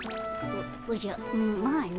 おおじゃまあの。